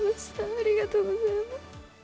ありがとうございます。